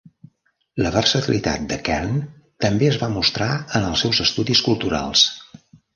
La versatilitat de Kern també es va mostrar en els seus estudis culturals.